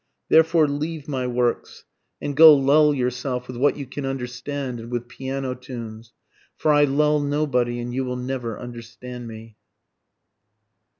therefore leave my works, And go lull yourself with what you can understand, and with piano tunes, For I lull nobody, and you will never understand me.